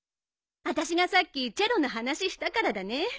あたしがさっきチェロの話したからだね。